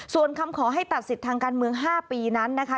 ส่วนคำขอให้ตัดสิทธิ์ทางการเมือง๕ปีนั้นนะคะ